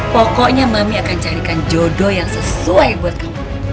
pokoknya mami akan carikan jodoh yang sesuai buat kamu